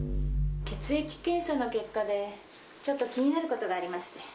血液検査の結果で、ちょっと気になることがありまして。